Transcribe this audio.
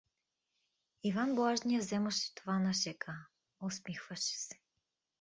Иван Блажния вземаше това на шега, усмихваше се.